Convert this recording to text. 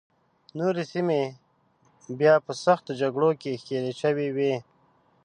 نورې سیمې بیا په سختو جګړو کې ښکېلې شوې وې.